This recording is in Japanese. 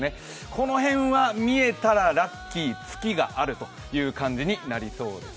この辺は見えたらラッキー、ツキがあるという感じになりそうです。